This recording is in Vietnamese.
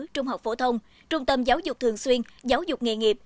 trung học phổ thông trung tâm giáo dục thường xuyên giáo dục nghề nghiệp